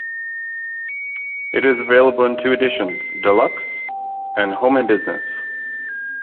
It is available in two editions: Deluxe, and Home and Business.